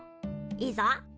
いいぞ。